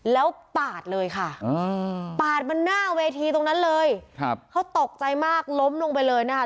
แล้วปาดเลยค่ะปาดมันหน้าเวทีตรงนั้นเลยครับเขาตกใจมากล้มลงไปเลยนะคะ